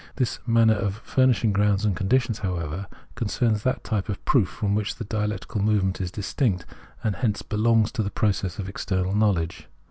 This manner of furnishing grounds and conditions, how ever, concerns that type of proof from which the dia lectical movement is distinct and hence belongs to the process of external knowledge.